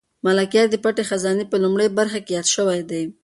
ملکیار د پټې خزانې په لومړۍ برخه کې یاد شوی دی.